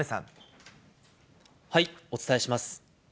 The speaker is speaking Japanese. お伝えします。